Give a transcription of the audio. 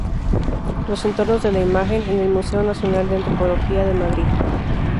Los entornos de la imagen" en el Museo Nacional de Antropología de Madrid.